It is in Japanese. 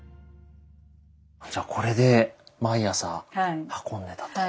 じゃこれで毎朝運んでたと。